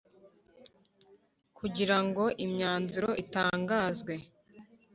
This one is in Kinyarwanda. kugira ngo imyanzuro itangazwe